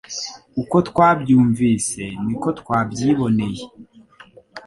Uko twabyumvise ni ko twabyiboneye